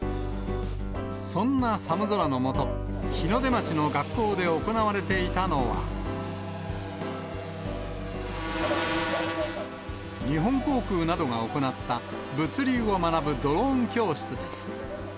そんな寒空の下、日の出町の学校で行われていたのは、日本航空などが行った、物流を学ぶドローン教室です。